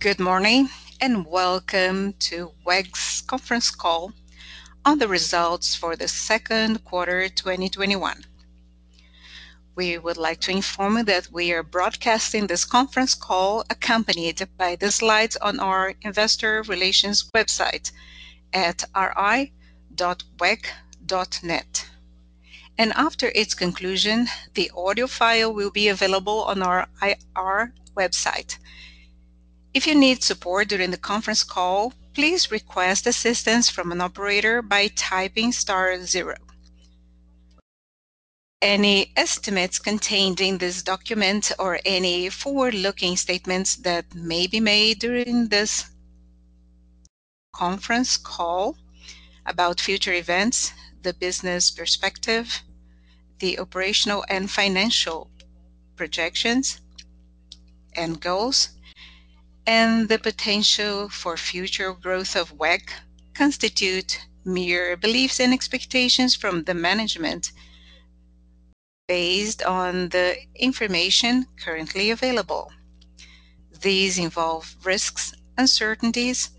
Good morning, and welcome to WEG's Conference Call on The Results for The Second Quarter 2021. We would like to inform you that we are broadcasting this conference call accompanied by the slides on our investor relations website at ri.weg.net. After its conclusion, the audio file will be available on our IR website. If you need support during the conference call, please request assistance from an operator by typing star zero. Any estimates contained in this document or any forward-looking statements that may be made during this conference call about future events, the business perspective, the operational and financial projections and goals, and the potential for future growth of WEG constitute mere beliefs and expectations from the management based on the information currently available. These involve risks, uncertainties, as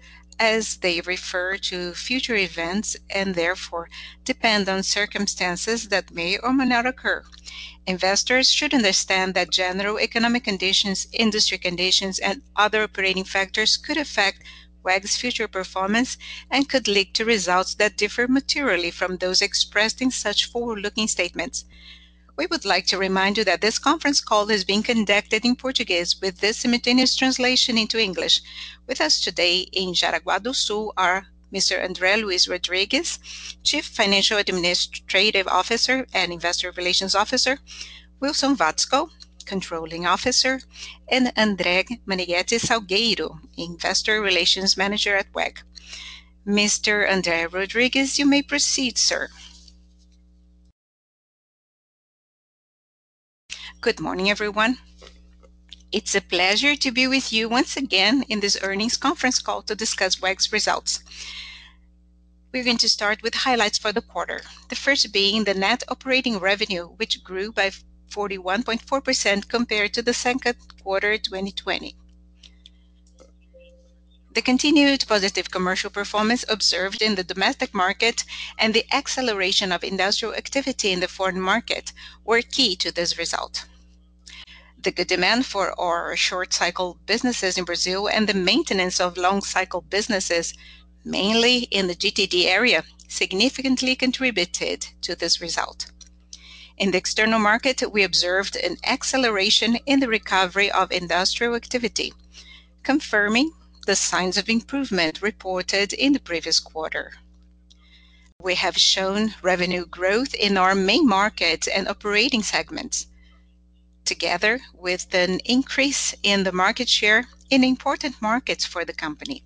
they refer to future events and therefore depend on circumstances that may or may not occur. Investors should understand that general economic conditions, industry conditions, and other operating factors could affect WEG's future performance and could lead to results that differ materially from those expressed in such forward-looking statements. We would like to remind you that this conference call is being conducted in Portuguese with the simultaneous translation into English. With us today in Jaraguá do Sul are Mr. André Luís Rodrigues, Chief Financial Officer and Investor Relations Officer, Wilson Watzko, Controlling Officer, and André Menegueti Salgueiro, Investor Relations Manager, WEG. Mr. André Rodrigues, you may proceed, sir. Good morning, everyone. It's a pleasure to be with you once again in this earnings conference call to discuss WEG's results. We're going to start with highlights for the quarter. The first being the net operating revenue, which grew by 41.4% compared to the second quarter 2020. The continued positive commercial performance observed in the domestic market and the acceleration of industrial activity in the foreign market were key to this result. The good demand for our short-cycle businesses in Brazil and the maintenance of long-cycle businesses, mainly in the GTD area, significantly contributed to this result. In the external market, we observed an acceleration in the recovery of industrial activity, confirming the signs of improvement reported in the previous quarter. We have shown revenue growth in our main market and operating segments, together with an increase in the market share in important markets for the company.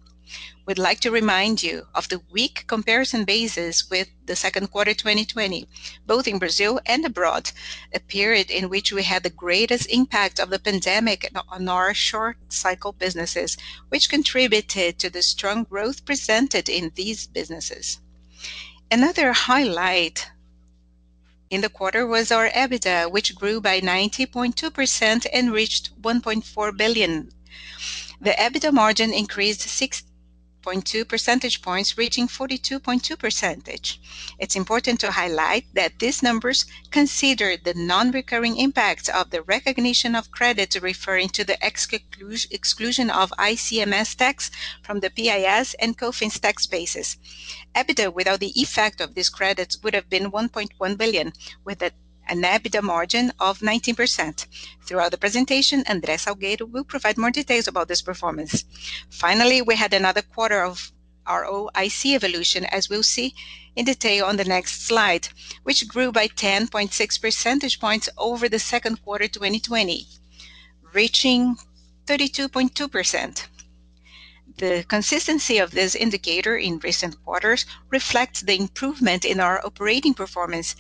We'd like to remind you of the weak comparison basis with the second quarter 2020, both in Brazil and abroad, a period in which we had the greatest impact of the pandemic on our short-cycle businesses, which contributed to the strong growth presented in these businesses. Another highlight in the quarter was our EBITDA, which grew by 90.2% and reached 1.4 billion. The EBITDA margin increased 6.2 percentage points, reaching 42.2%. It's important to highlight that these numbers consider the non-recurring impacts of the recognition of credits referring to the exclusion of ICMS tax from the PIS and COFINS tax bases. EBITDA, without the effect of these credits, would've been 1.1 billion, with an EBITDA margin of 19%. Throughout the presentation, André Salgueiro will provide more details about this performance. Finally, we had another quarter of ROIC evolution, as we'll see in detail on the next slide, which grew by 10.6 percentage points over the second quarter 2020, reaching 32.2%. The consistency of this indicator in recent quarters reflects the improvement in our operating performance,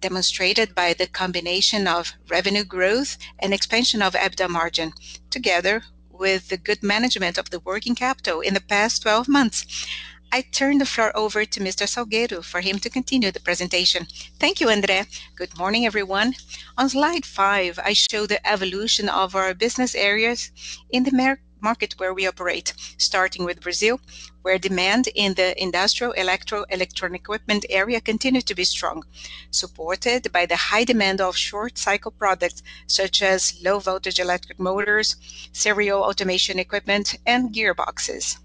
demonstrated by the combination of revenue growth and expansion of EBITDA margin, together with the good management of the working capital in the past 12 months. I turn the floor over to Mr. Salgueiro for him to continue the presentation. Thank you, André. Good morning, everyone. On slide five, I show the evolution of our business areas in the market where we operate. Starting with Brazil, where demand in the industrial, electronic equipment area continued to be strong, supported by the high demand of short-cycle products, such as low-voltage electric motors, serial automation equipment, and gearboxes.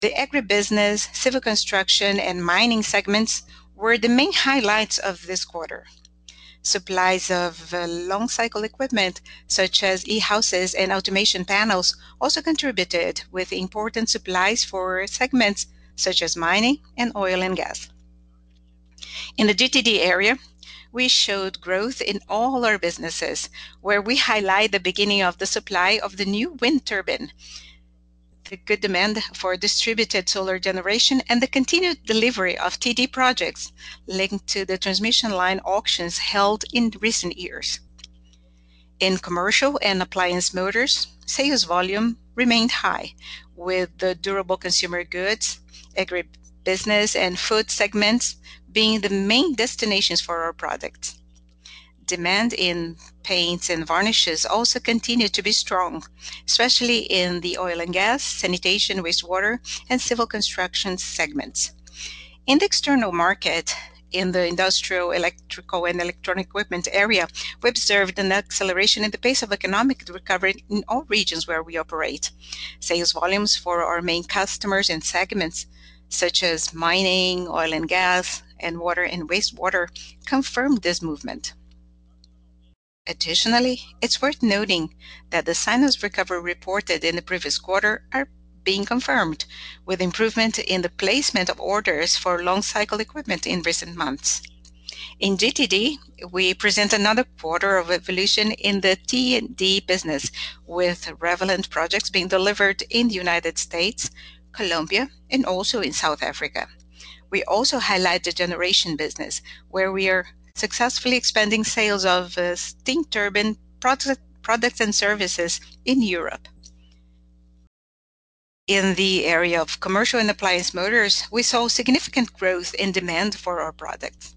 The agribusiness, civil construction, and mining segments were the main highlights of this quarter. Supplies of long-cycle equipment, such as e-houses and automation panels, also contributed with important supplies for segments such as mining and oil and gas. In the GTD area, we showed growth in all our businesses, where we highlight the beginning of the supply of the new wind turbine, the good demand for distributed solar generation, and the continued delivery of T&D projects linked to the transmission line auctions held in recent years. In commercial and appliance motors, sales volume remained high with the durable consumer goods, agribusiness, and food segments being the main destinations for our products. Demand in paints and varnishes also continued to be strong, especially in the oil and gas, sanitation, wastewater, and civil construction segments. In the external market, in the industrial, electrical, and electronic equipment area, we observed an acceleration in the pace of economic recovery in all regions where we operate. Sales volumes for our main customers and segments such as mining, oil and gas, and water and wastewater confirmed this movement. Additionally, it's worth noting that the signs of recovery reported in the previous quarter are being confirmed with improvement in the placement of orders for long-cycle equipment in recent months. In GTD, we present another quarter of evolution in the T&D business, with relevant projects being delivered in the United States, Colombia, and also in South Africa. We also highlight the generation business, where we are successfully expanding sales of steam turbine products and services in Europe. In the area of commercial and appliance motors, we saw significant growth in demand for our products.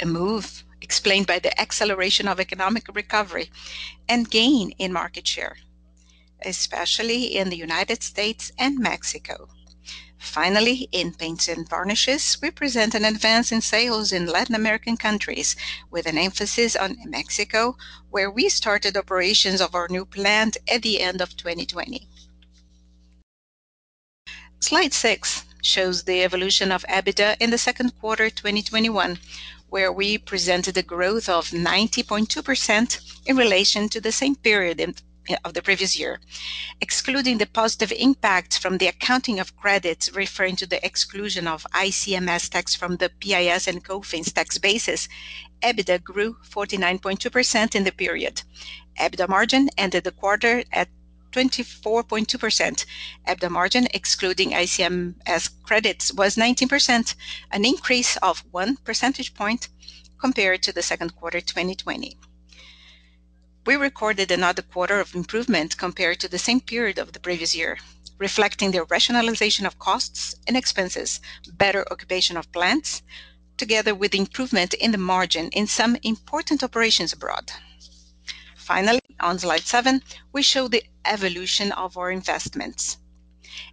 A move explained by the acceleration of economic recovery and gain in market share, especially in the United States and Mexico. Finally, in paints and varnishes, we present an advance in sales in Latin American countries with an emphasis on Mexico, where we started operations of our new plant at the end of 2020. Slide six shows the evolution of EBITDA in the second quarter 2021, where we presented a growth of 90.2% in relation to the same period of the previous year. Excluding the positive impact from the accounting of credits referring to the exclusion of ICMS tax from the PIS and COFINS tax basis, EBITDA grew 49.2% in the period. EBITDA margin ended the quarter at 24.2%. EBITDA margin excluding ICMS credits was 19%, an increase of one percentage point compared to the second quarter 2020. We recorded another quarter of improvement compared to the same period of the previous year, reflecting the rationalization of costs and expenses, better occupation of plants, together with improvement in the margin in some important operations abroad. Finally, on slide seven, we show the evolution of our investments.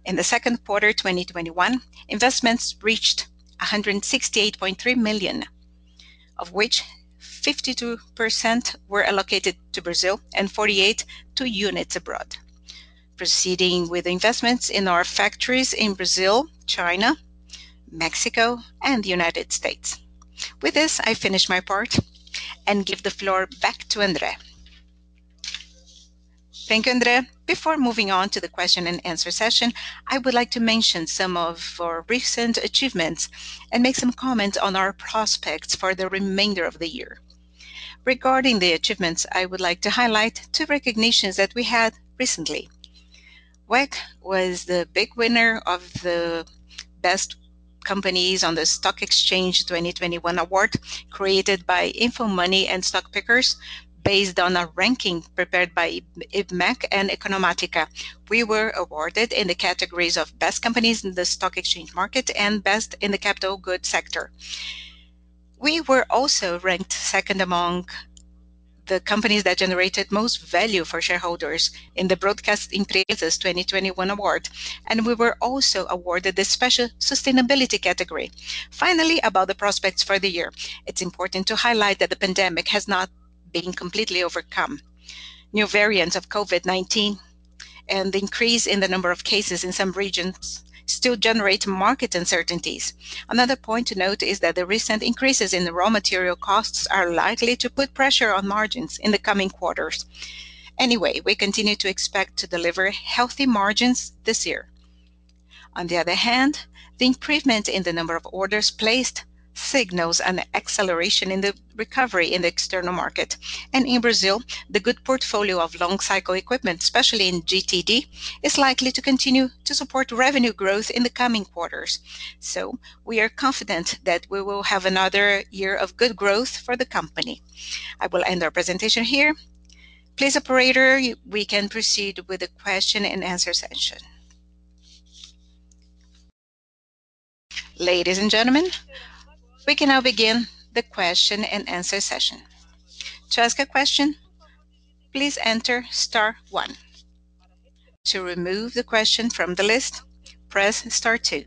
In the second quarter 2021, investments reached 168.3 million, of which 52% were allocated to Brazil and 48% to units abroad. Proceeding with investments in our factories in Brazil, China, Mexico, and the United States. With this, I finish my part and give the floor back to André. Thank you, André. Before moving on to the question and answer session, I would like to mention some of our recent achievements and make some comments on our prospects for the remainder of the year. Regarding the achievements, I would like to highlight two recognitions that we had recently. WEG was the big winner of the Best Companies on the Stock Exchange 2021 Award, created by InfoMoney and StockPickers based on a ranking prepared by Ibmec and Economatica. We were awarded in the categories of Best Companies in the Stock Exchange Market and Best in the Capital Goods Sector. We were also ranked second among the companies that generated most value for shareholders in the Prêmio Broadcast Empresas 2021 award, and we were also awarded a special sustainability category. Finally, about the prospects for the year. It's important to highlight that the pandemic has not been completely overcome. New variants of COVID-19 and the increase in the number of cases in some regions still generate market uncertainties. Another point to note is that the recent increases in the raw material costs are likely to put pressure on margins in the coming quarters. Anyway, we continue to expect to deliver healthy margins this year. On the other hand, the improvement in the number of orders placed signals an acceleration in the recovery in the external market. In Brazil, the good portfolio of long-cycle equipment, especially in GTD, is likely to continue to support revenue growth in the coming quarters. We are confident that we will have another year of good growth for the company. I will end our presentation here. Please, operator, we can proceed with the question and answer session. Ladies and gentlemen, we can now begin the question and answer session. To ask a question, please enter star, one. To remove the question from the list, press star, two.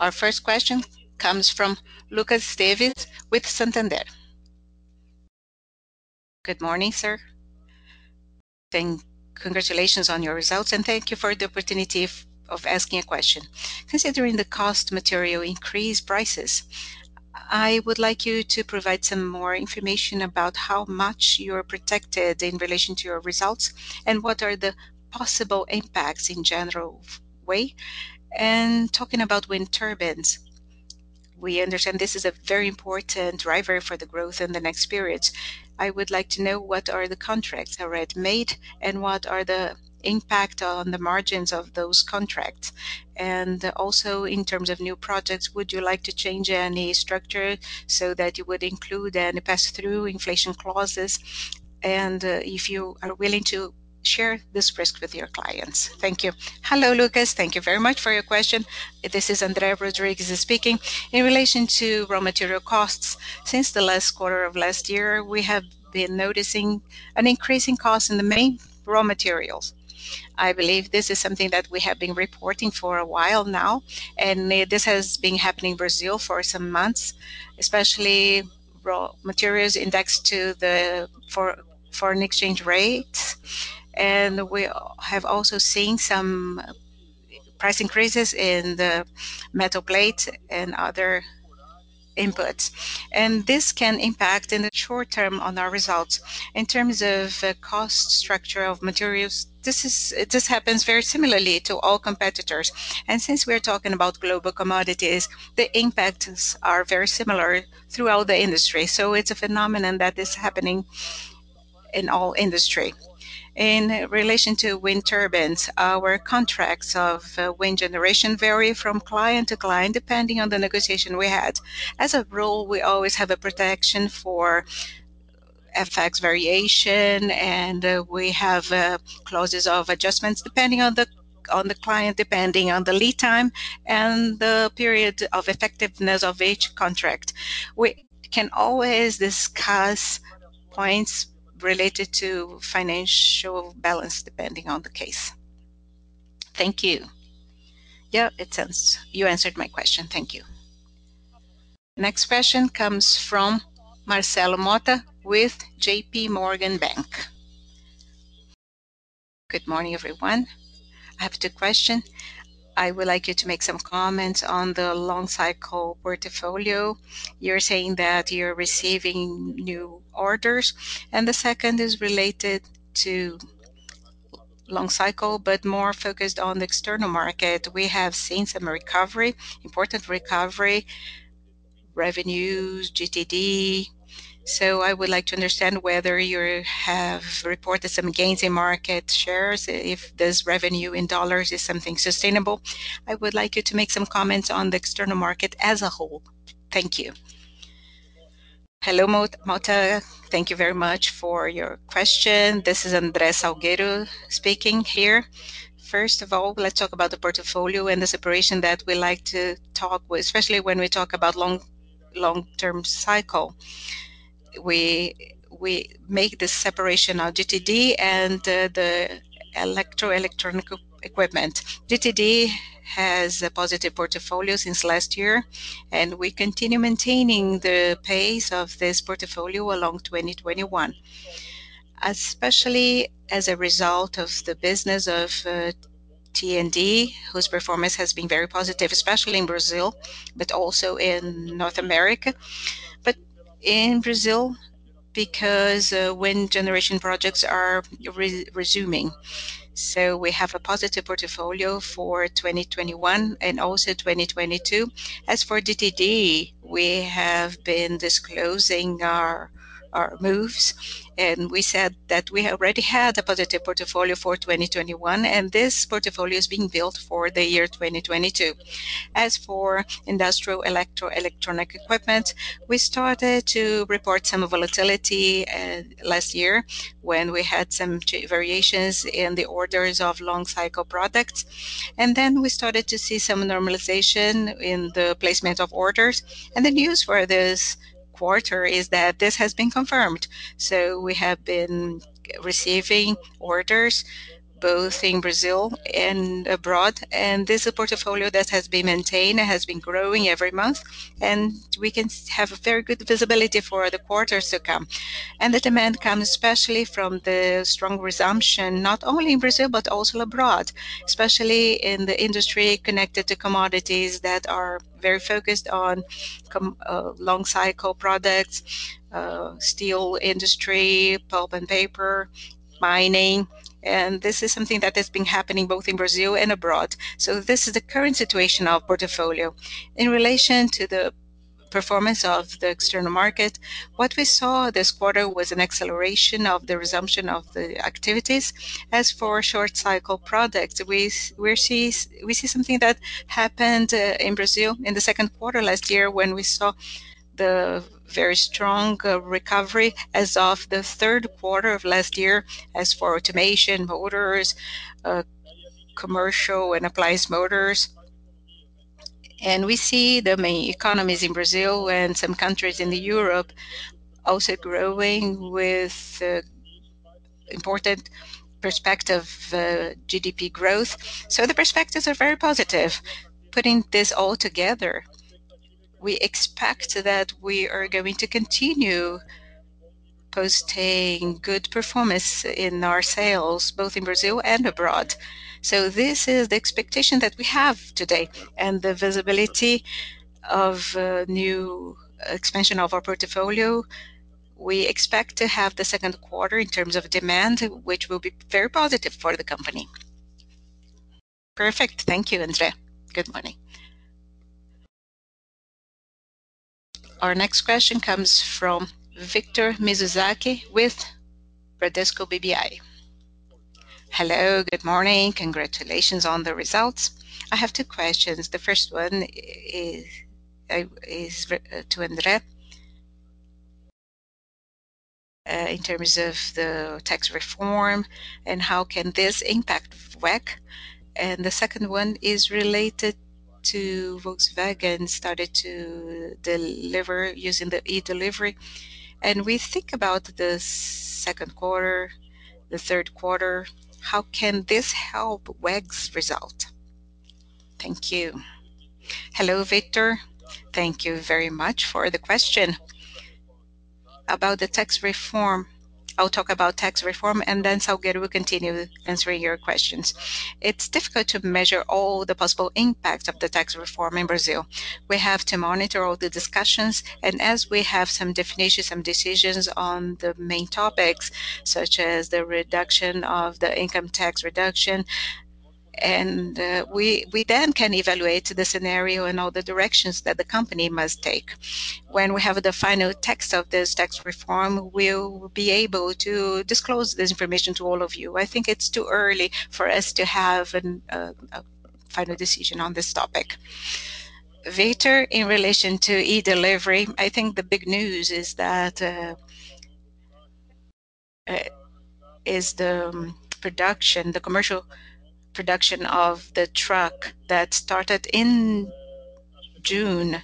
Our first question comes from [Lucas Laghi] with Santander. Good morning, sir. Congratulations on your results, and thank you for the opportunity of asking a question. Considering the cost material increase prices, I would like you to provide some more information about how much you're protected in relation to your results and what are the possible impacts in general way. Talking about wind turbines. We understand this is a very important driver for the growth in the next periods. I would like to know what are the contracts already made, and what are the impact on the margins of those contracts. Also in terms of new projects, would you like to change any structure so that you would include any pass-through inflation clauses, and if you are willing to share this risk with your clients? Thank you. Hello, Lucas. Thank you very much for your question. This is André Luís Rodrigues speaking. In relation to raw material costs, since the last quarter of last year, we have been noticing an increase in cost in the main raw materials. This has been happening in Brazil for some months, especially raw materials indexed to the foreign exchange rate. We have also seen some price increases in the metal plate and other inputs. This can impact in the short term on our results. In terms of cost structure of materials, this happens very similarly to all competitors. Since we're talking about global commodities, the impacts are very similar throughout the industry. It's a phenomenon that is happening in all industry. In relation to wind turbines, our contracts of wind generation vary from client to client, depending on the negotiation we had. As a rule, we always have a protection for FX variation, we have clauses of adjustments depending on the client, depending on the lead time, and the period of effectiveness of each contract. We can always discuss points related to financial balance depending on the case. Thank you. Yeah, it seems you answered my question. Thank you. Next question comes from Marcelo Motta with JPMorgan. Good morning, everyone. I have two question. I would like you to make some comments on the long-cycle portfolio. You're saying that you're receiving new orders. The second is related to long cycle, but more focused on the external market. We have seen some recovery, important recovery, revenues, GTD. I would like to understand whether you have reported some gains in market shares, if this revenue in dollars is something sustainable. I would like you to make some comments on the external market as a whole. Thank you. Hello, Motta. Thank you very much for your question. This is André Salgueiro speaking here. First of all, let's talk about the portfolio and the separation that we like to talk, especially when we talk about long-term cycle. We make the separation of GTD and the electronic equipment. GTD has a positive portfolio since last year. We continue maintaining the pace of this portfolio along 2021, especially as a result of the business of T&D, whose performance has been very positive, especially in Brazil, but also in North America, because wind generation projects are resuming. We have a positive portfolio for 2021 and also 2022. As for GTD, we have been disclosing our moves, and we said that we already had a positive portfolio for 2021, and this portfolio is being built for the year 2022. As for industrial electronic equipment, we started to report some volatility last year when we had some variations in the orders of long cycle products. We started to see some normalization in the placement of orders. The news for this quarter is that this has been confirmed. We have been receiving orders both in Brazil and abroad, and this is a portfolio that has been maintained, it has been growing every month, and we can have a very good visibility for the quarters to come. The demand comes especially from the strong resumption, not only in Brazil but also abroad, especially in the industry connected to commodities that are very focused on long cycle products, steel industry, pulp and paper, mining. This is something that has been happening both in Brazil and abroad. This is the current situation of portfolio. In relation to the performance of the external market, what we saw this quarter was an acceleration of the resumption of the activities. As for short cycle products, we see something that happened in Brazil in the second quarter last year when we saw the very strong recovery as of the third quarter of last year as for automation motors, commercial and appliance motors. We see the main economies in Brazil and some countries in Europe also growing with important perspective GDP growth. The perspectives are very positive. Putting this all together, we expect that we are going to continue posting good performance in our sales, both in Brazil and abroad. This is the expectation that we have today, and the visibility of new expansion of our portfolio. We expect to have the second quarter in terms of demand, which will be very positive for the company. Perfect. Thank you, André. Good morning. Our next question comes from Victor Mizusaki with Bradesco BBI. Hello, good morning. Congratulations on the results. I have two questions. The first one is to André in terms of the tax reform and how can this impact WEG. The second one is related to Volkswagen started to deliver using the e-Delivery. We think about the second quarter, the third quarter, how can this help WEG's result? Thank you. Hello, Victor. Thank you very much for the question. About the tax reform, I'll talk about tax reform and then Salgueiro will continue answering your questions. It's difficult to measure all the possible impacts of the tax reform in Brazil. We have to monitor all the discussions, and as we have some definitions, some decisions on the main topics, such as the reduction of the income tax reduction. We then can evaluate the scenario and all the directions that the company must take. When we have the final text of this tax reform, we'll be able to disclose this information to all of you. I think it's too early for us to have a final decision on this topic. Victor, in relation to e-Delivery, I think the big news is the commercial production of the truck that started in June.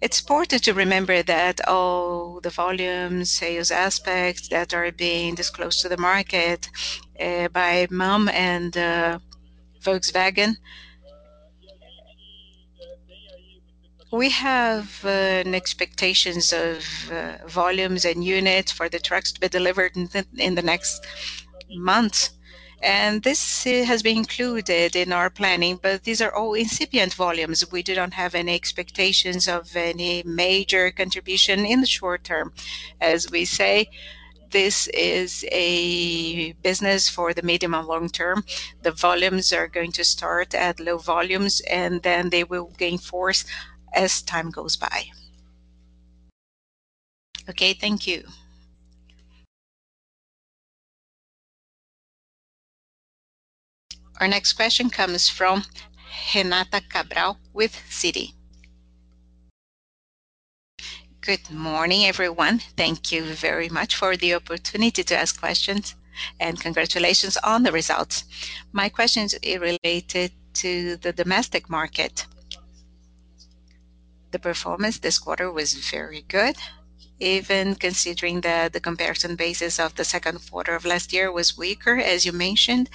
It's important to remember that all the volumes, sales aspects that are being disclosed to the market by MAN and Volkswagen. We have expectations of volumes and units for the trucks to be delivered in the next months, and this has been included in our planning. These are all incipient volumes. We do not have any expectations of any major contribution in the short term. As we say, this is a business for the medium and long term. The volumes are going to start at low volumes, then they will gain force as time goes by. Okay, thank you. Our next question comes from Renata Cabral with Citi. Good morning, everyone. Thank you very much for the opportunity to ask questions. Congratulations on the results. My question is related to the domestic market. The performance this quarter was very good, even considering that the comparison basis of the second quarter of last year was weaker, as you mentioned.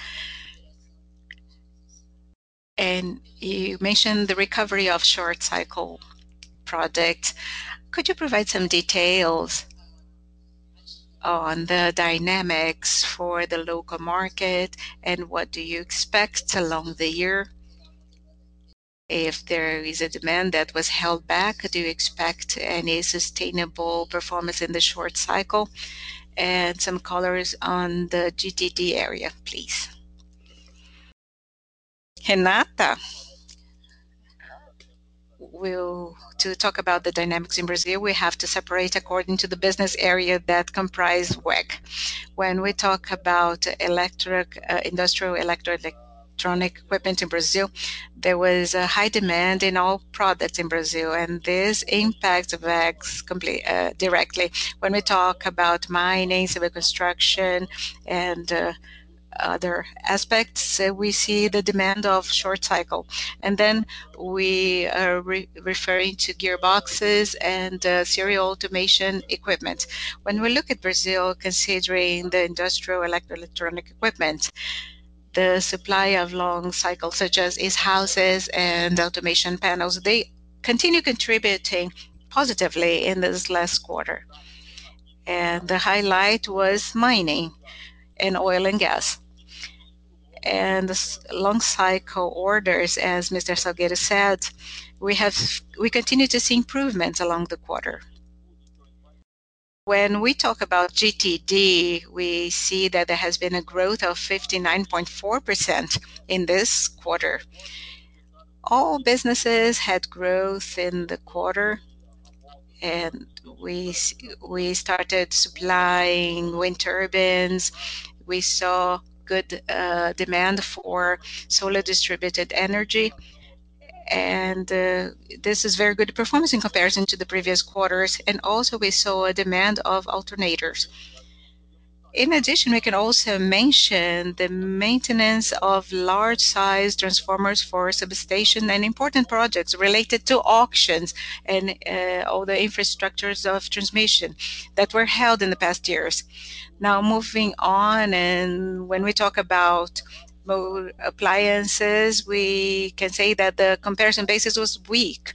You mentioned the recovery of short cycle product. Could you provide some details on the dynamics for the local market, and what do you expect along the year? If there is a demand that was held back, do you expect any sustainable performance in the short cycle? Some colors on the GTD area, please. Renata, to talk about the dynamics in Brazil, we have to separate according to the business area that comprise WEG. When we talk about industrial electronic equipment in Brazil, there was a high demand in all products in Brazil, and this impacts WEG directly. When we talk about mining, civil construction, and other aspects, we see the demand of short cycle. Then we are referring to gearboxes and serial automation equipment. When we look at Brazil, considering the industrial electro electronic equipment, the supply of long cycles, such as e-houses and automation panels, they continue contributing positively in this last quarter. The highlight was mining in oil and gas. The long cycle orders, as Mr. Salgueiro said, we continue to see improvements along the quarter. When we talk about GTD, we see that there has been a growth of 59.4% in this quarter. All businesses had growth in the quarter, and we started supplying wind turbines. We saw good demand for solar distributed energy, and this is very good performance in comparison to the previous quarters. Also, we saw a demand of alternators. In addition, we can also mention the maintenance of large size transformers for substation and important projects related to auctions and all the infrastructures of transmission that were held in the past years. Now moving on, when we talk about appliances, we can say that the comparison basis was weak,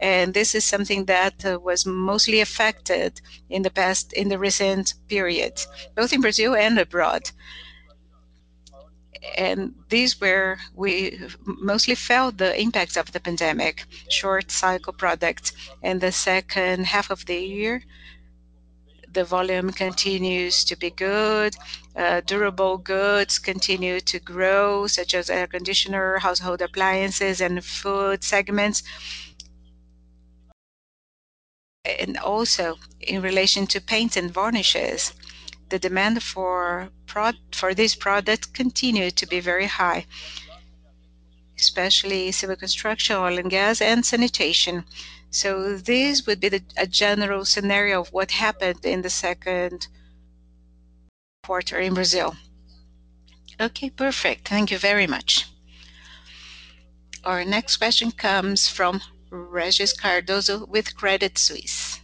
and this is something that was mostly affected in the recent periods, both in Brazil and abroad. We mostly felt the impacts of the pandemic, short cycle products in the second half of the year. The volume continues to be good. Durable goods continue to grow, such as air conditioner, household appliances, and food segments. Also in relation to paints and varnishes, the demand for these products continued to be very high, especially civil construction, oil and gas, and sanitation. This would be the general scenario of what happened in the second quarter in Brazil. Okay, perfect. Thank you very much. Our next question comes from Régis Cardoso with Credit Suisse.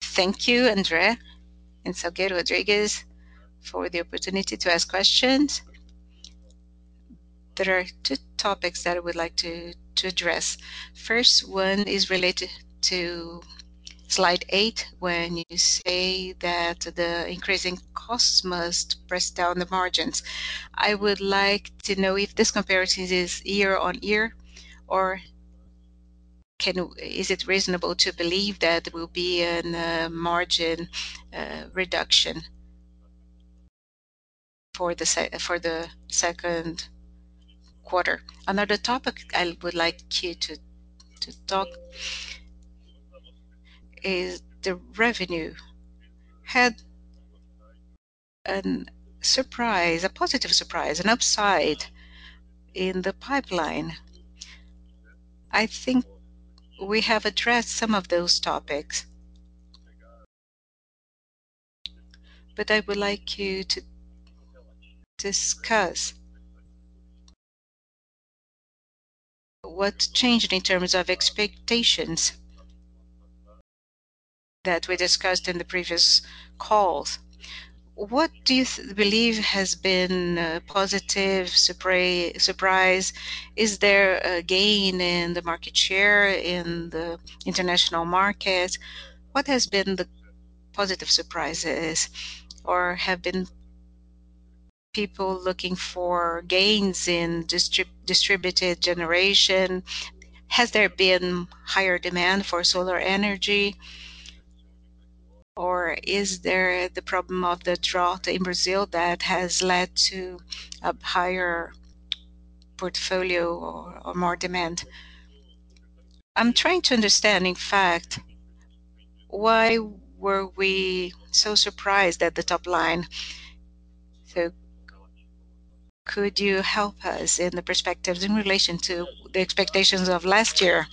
Thank you, André and André Menegueti Salgueiro, for the opportunity to ask questions. There are two topics that I would like to address. First one is related to slide eight when you say that the increasing costs must press down the margins. I would like to know if this comparison is year-over-year, or is it reasonable to believe that there will be a margin reduction for the second quarter. Another topic I would like you to talk is the revenue. Had a positive surprise, an upside in the pipeline. I think we have addressed some of those topics, but I would like you to discuss what changed in terms of expectations that we discussed in the previous calls. What do you believe has been a positive surprise? Is there a gain in the market share in the international market? What has been the positive surprises, or have been people looking for gains in distributed generation? Has there been higher demand for solar energy, or is there the problem of the drought in Brazil that has led to a higher portfolio or more demand? I'm trying to understand, in fact, why were we so surprised at the top line. Could you help us in the perspectives in relation to the expectations of last year?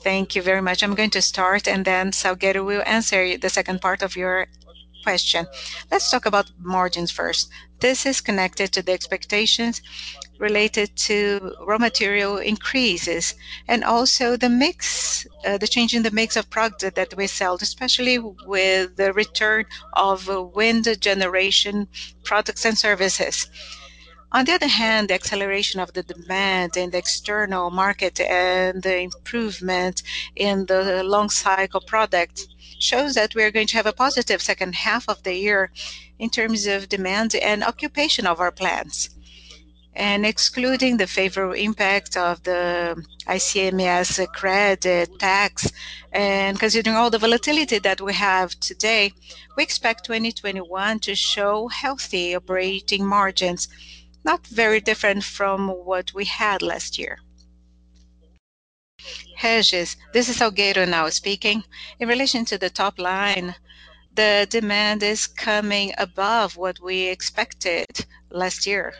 Thank you very much. I'm going to start, and then Salgueiro will answer the second part of your question. Let's talk about margins first. This is connected to the expectations related to raw material increases and also the change in the mix of product that we sell, especially with the return of wind generation products and services. On the other hand, the acceleration of the demand in the external market and the improvement in the long cycle product shows that we are going to have a positive second half of the year in terms of demand and occupation of our plants. Excluding the favorable impact of the ICMS credit tax and considering all the volatility that we have today, we expect 2021 to show healthy operating margins, not very different from what we had last year. Régis, this is Salgueiro now speaking. In relation to the top line, the demand is coming above what we expected last year.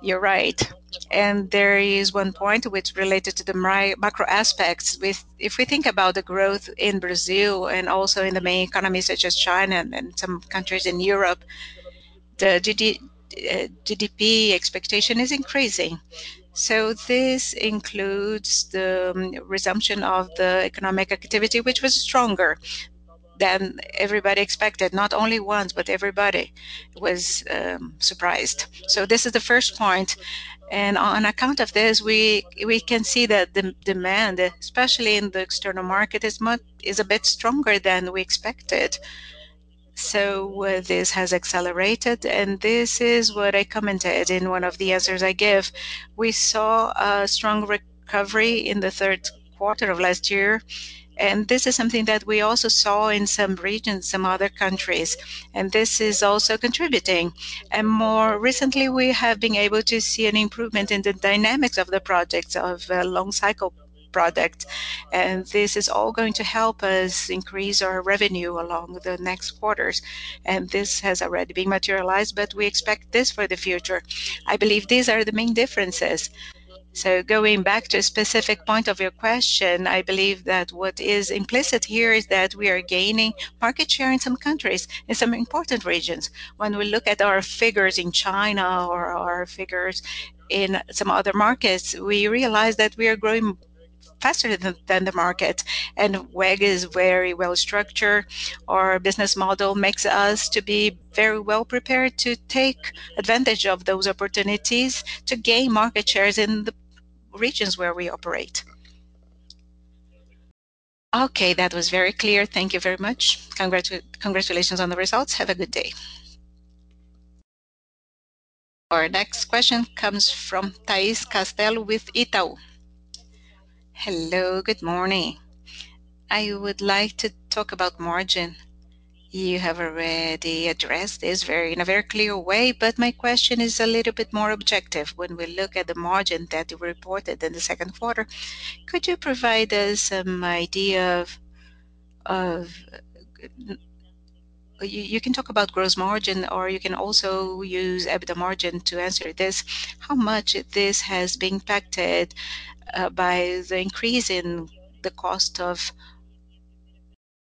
You're right. There is one point which related to the macro aspects. If we think about the growth in Brazil and also in the main economies such as China and some countries in Europe, the GDP expectation is increasing. This includes the resumption of the economic activity, which was stronger than everybody expected. Not only once, but everybody was surprised. This is the first point, and on account of this, we can see that the demand, especially in the external market, is a bit stronger than we expected. This has accelerated, and this is what I commented in one of the answers I give. We saw a strong recovery in the third quarter of last year, and this is something that we also saw in some regions, some other countries, and this is also contributing. More recently, we have been able to see an improvement in the dynamics of the projects of long cycle project, and this is all going to help us increase our revenue along the next quarters. This has already been materialized, but we expect this for the future. I believe these are the main differences. Going back to a specific point of your question, I believe that what is implicit here is that we are gaining market share in some countries, in some important regions. When we look at our figures in China or our figures in some other markets, we realize that we are growing faster than the market, and WEG is very well structured. Our business model makes us to be very well prepared to take advantage of those opportunities to gain market shares in the regions where we operate. Okay. That was very clear. Thank you very much. Congratulations on the results. Have a good day. Our next question comes from Thais Cascello with Itaú. Hello, good morning. I would like to talk about margin. You have already addressed this in a very clear way, but my question is a little bit more objective. When we look at the margin that you reported in the second quarter, could you provide us some idea? You can talk about gross margin, or you can also use EBITDA margin to answer this. How much of this has been impacted by the increase in the cost of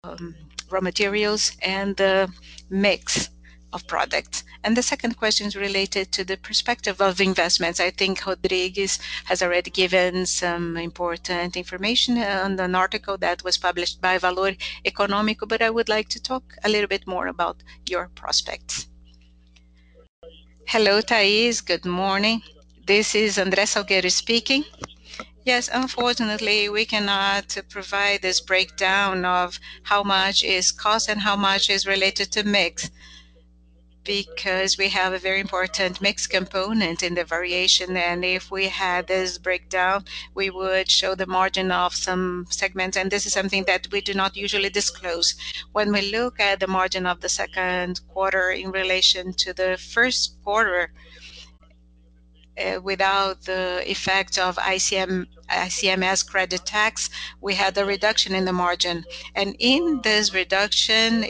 raw materials and the mix of products? The second question is related to the perspective of investments. I think Rodrigues has already given some important information on an article that was published by Valor Econômico, but I would like to talk a little bit more about your prospects. Hello, Thais. Good morning. This is André Menegueti Salgueiro speaking. Yes, unfortunately, we cannot provide this breakdown of how much is cost and how much is related to mix, because we have a very important mix component in the variation, and if we had this breakdown, we would show the margin of some segments, and this is something that we do not usually disclose. When we look at the margin of the second quarter in relation to the first quarter, without the effect of ICMS credit tax, we had a reduction in the margin. In this reduction,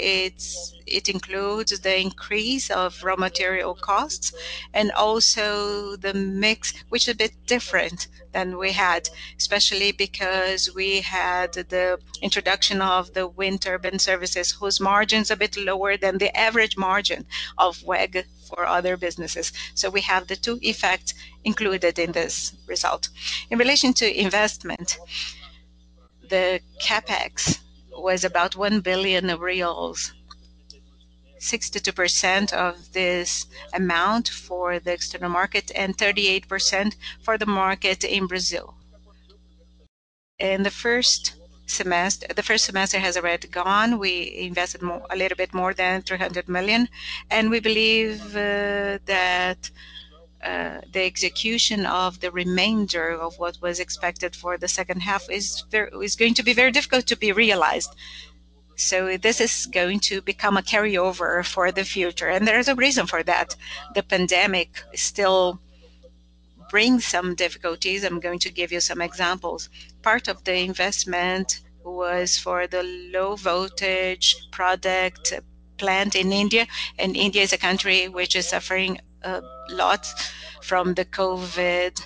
it includes the increase of raw material costs and also the mix, which is a bit different than we had, especially because we had the introduction of the wind turbine services, whose margin is a bit lower than the average margin of WEG for other businesses. We have the two effects included in this result. In relation to investment, the CapEx was about 1 billion, 62% of this amount for the external market and 38% for the market in Brazil. The first semester has already gone. We invested a little bit more than 300 million, we believe that the execution of the remainder of what was expected for the second half is going to be very difficult to be realized. This is going to become a carryover for the future, there is a reason for that. The pandemic still brings some difficulties. I'm going to give you some examples. Part of the investment was for the low-voltage product plant in India is a country which is suffering a lot from the COVID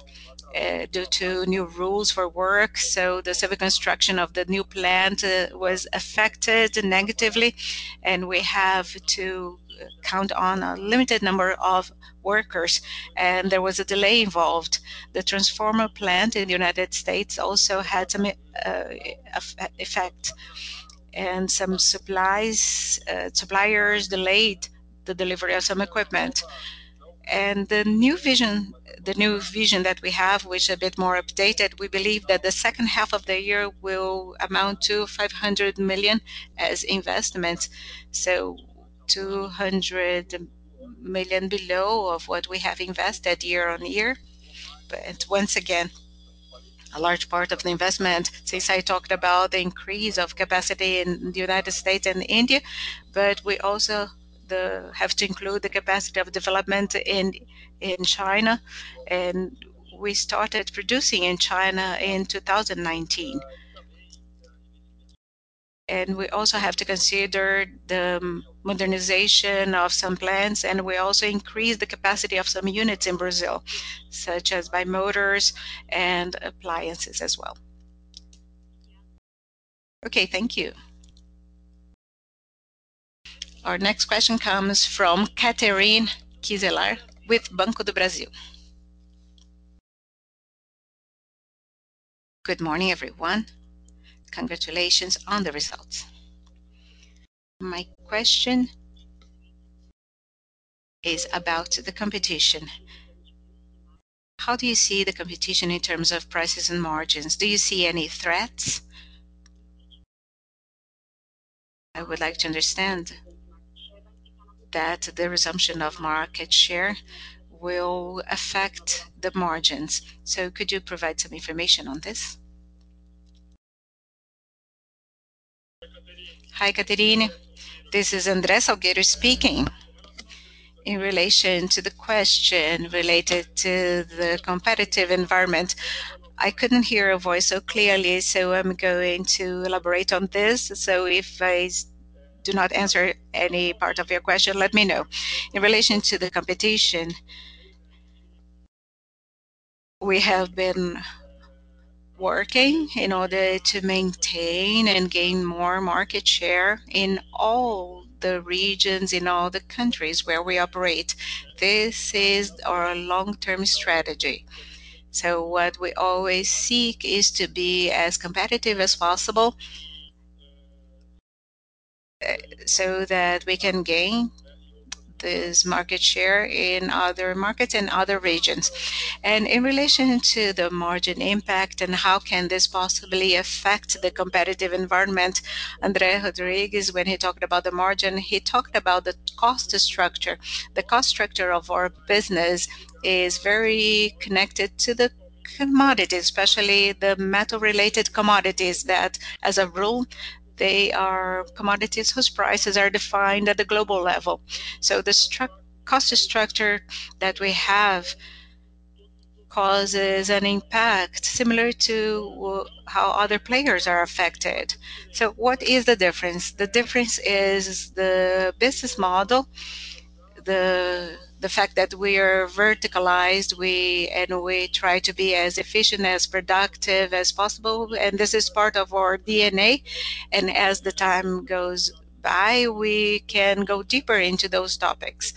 due to new rules for work. The civil construction of the new plant was affected negatively, and we have to count on a limited number of workers, and there was a delay involved. The transformer plant in the U.S. also had some effect, and some suppliers delayed the delivery of some equipment. The new vision that we have, which is a bit more updated, we believe that the second half of the year will amount to 500 million as investments. 200 million below of what we have invested year-over-year. Once again, a large part of the investment since I talked about the increase of capacity in the U.S. and India, but we also have to include the capacity of development in China. We started producing in China in 2019. We also have to consider the modernization of some plants, and we also increased the capacity of some units in Brazil, such as by motors and appliances as well. Okay. Thank you. Our next question comes from Catherine Kiselar with Banco do Brasil. Good morning, everyone. Congratulations on the results. My question is about the competition. How do you see the competition in terms of prices and margins? Do you see any threats? I would like to understand that the resumption of market share will affect the margins. Could you provide some information on this? Hi, Catherine. This is André Menegueti Salgueiro speaking. In relation to the question related to the competitive environment, I couldn't hear your voice so clearly, so I'm going to elaborate on this. If I do not answer any part of your question, let me know. In relation to the competition, we have been working in order to maintain and gain more market share in all the regions, in all the countries where we operate. This is our long-term strategy. What we always seek is to be as competitive as possible so that we can gain this market share in other markets and other regions. In relation to the margin impact and how can this possibly affect the competitive environment, André Luís Rodrigues, when he talked about the margin, he talked about the cost structure. The cost structure of our business is very connected to the commodity, especially the metal-related commodities, that as a rule, they are commodities whose prices are defined at the global level. The cost structure that we have causes an impact similar to how other players are affected. What is the difference? The difference is the business model, the fact that we are verticalized, and we try to be as efficient, as productive as possible, and this is part of our DNA. As the time goes by, we can go deeper into those topics.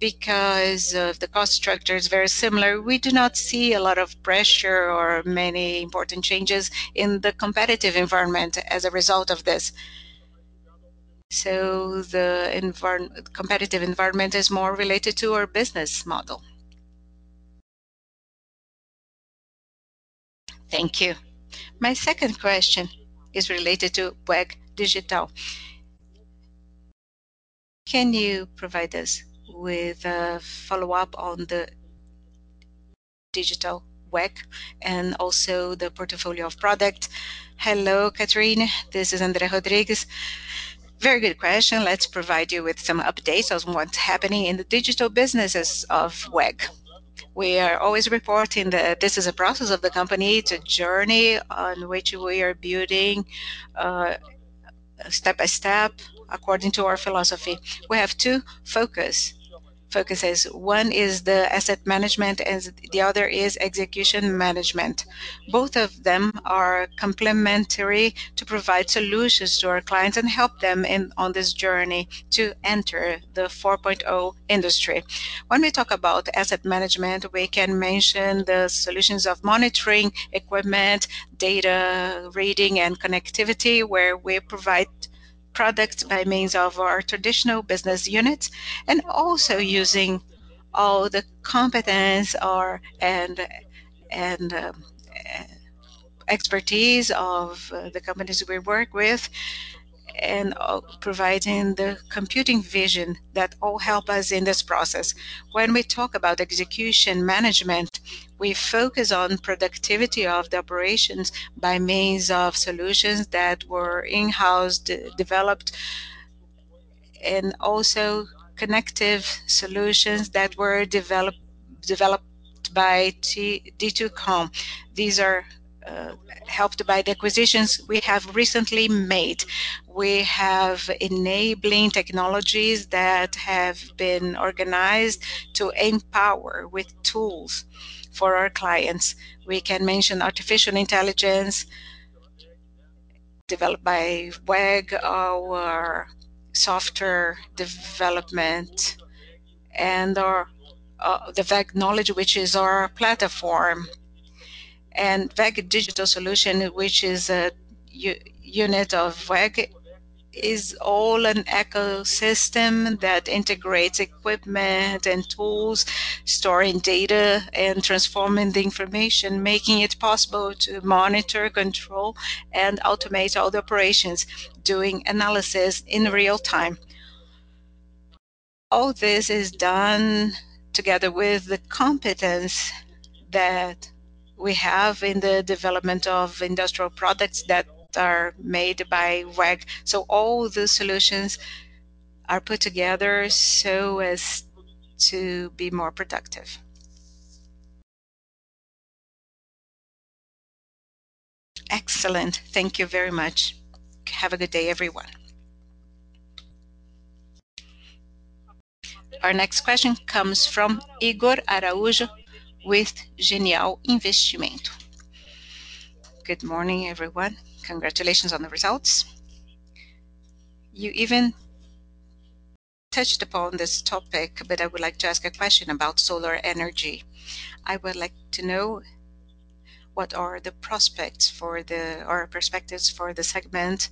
The cost structure is very similar, we do not see a lot of pressure or many important changes in the competitive environment as a result of this. The competitive environment is more related to our business model. Thank you. My second question is related to WEG Digital. Can you provide us with a follow-up on WEG Digital and also the portfolio of product? Hello, Catherine. This is André Luís Rodrigues. Very good question. Let's provide you with some updates on what's happening in the digital businesses of WEG. We are always reporting that this is a process of the company. It's a journey on which we are building step by step according to our philosophy. We have two focuses. One is the asset management, and the other is execution management. Both of them are complementary to provide solutions to our clients and help them on this journey to enter the Industry 4.0. When we talk about asset management, we can mention the solutions of monitoring equipment, data reading, and connectivity, where we provide products by means of our traditional business units, and also using all the competence and expertise of the companies we work with, and providing the computing vision that all help us in this process. When we talk about execution management, we focus on productivity of the operations by means of solutions that were in-house developed, and also connective solutions that were developed by V2COM. These are helped by the acquisitions we have recently made. We have enabling technologies that have been organized to empower with tools for our clients. We can mention artificial intelligence developed by WEG, our software development, and the WEGnology, which is our platform. WEG Digital Solutions, which is a unit of WEG, is all an ecosystem that integrates equipment and tools, storing data and transforming the information, making it possible to monitor, control, and automate all the operations, doing analysis in real time. All this is done together with the competence that we have in the development of industrial products that are made by WEG. All the solutions are put together so as to be more productive. Excellent. Thank you very much. Have a good day, everyone. Our next question comes from Ygor Araújo with Genial Investimentos. Good morning, everyone. Congratulations on the results. You even touched upon this topic. I would like to ask a question about solar energy. I would like to know what are the prospects or perspectives for the segment.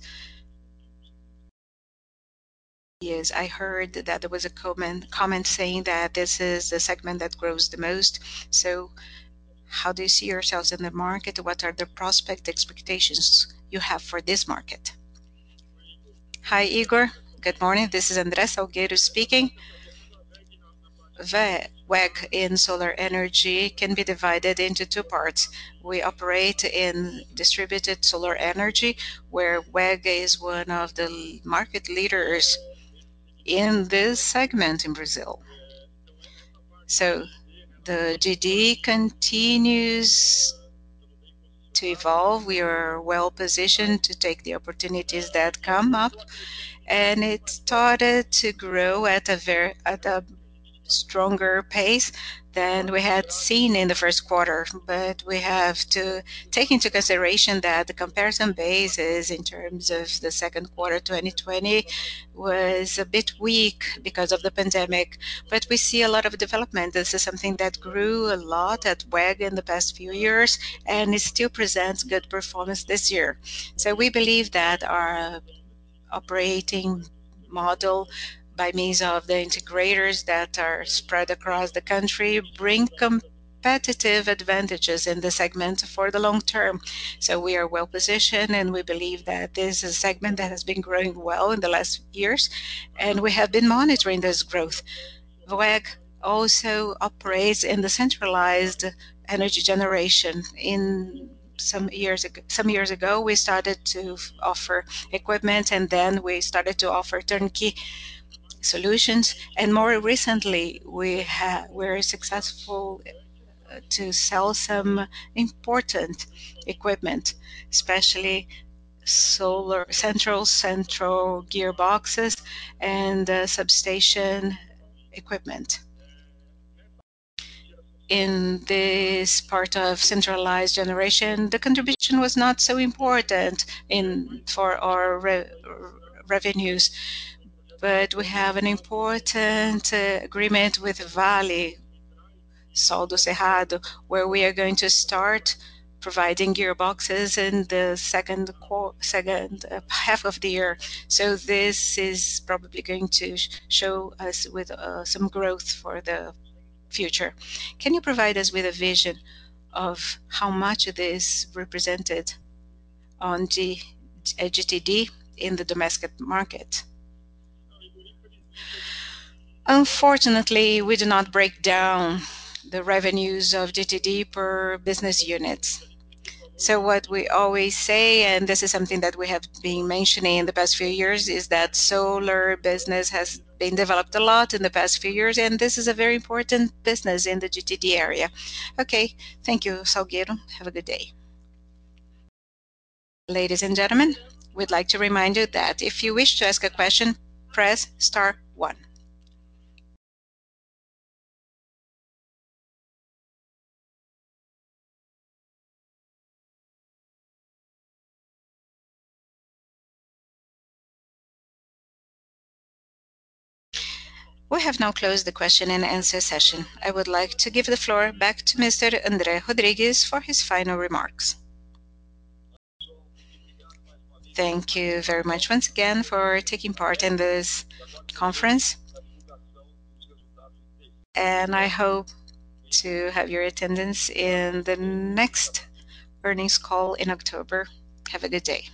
Yes, I heard that there was a comment saying that this is the segment that grows the most. How do you see yourselves in the market? What are the prospect expectations you have for this market? Hi, Ygor. Good morning. This is André Salgueiro speaking. WEG in solar energy can be divided into two parts. We operate in distributed solar energy, where WEG is one of the market leaders in this segment in Brazil. The GD continues to evolve. We are well-positioned to take the opportunities that come up, and it started to grow at a stronger pace than we had seen in the first quarter. We have to take into consideration that the comparison base is in terms of the second 2020, was a bit weak because of the pandemic, but we see a lot of development. This is something that grew a lot at WEG in the past few years, and it still presents good performance this year. We believe that our operating model by means of the integrators that are spread across the country bring competitive advantages in the segment for the long term. We are well-positioned, and we believe that this is a segment that has been growing well in the last years, and we have been monitoring this growth. WEG also operates in the centralized energy generation. Some years ago, we started to offer equipment, and then we started to offer turnkey solutions. More recently, we're successful to sell some important equipment, especially solar central gearboxes and substation equipment. In this part of centralized generation, the contribution was not so important for our revenues. We have an important agreement with Vale, Sol do Cerrado, where we are going to start providing gearboxes in the second half of the year. This is probably going to show us with some growth for the future. Can you provide us with a vision of how much this represented on GTD in the domestic market? Unfortunately, we do not break down the revenues of GTD per business units. What we always say, and this is something that we have been mentioning in the past few years, is that solar business has been developed a lot in the past few years, and this is a very important business in the GTD area. Okay. Thank you, Salgueiro. Have a good day. Ladies and gentlemen, we'd like to remind you that if you wish to ask a question, press star, one. We have now closed the question and answer session. I would like to give the floor back to Mr. André Rodrigues for his final remarks. Thank you very much once again for taking part in this conference, and I hope to have your attendance in the next earnings call in October. Have a good day.